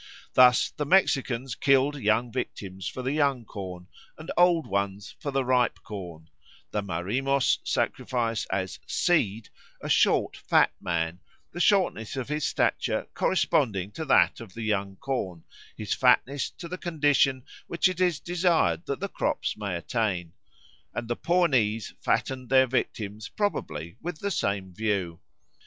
Thus the Mexicans killed young victims for the young corn and old ones for the ripe corn; the Marimos sacrifice, as "seed," a short, fat man, the shortness of his stature corresponding to that of the young corn, his fatness to the condition which it is desired that the crops may attain; and the Pawnees fattened their victims probably with the same view.